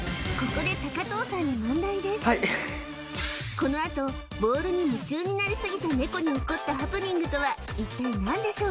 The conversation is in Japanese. このあとボールに夢中になりすぎたネコに起こったハプニングとは一体何でしょう？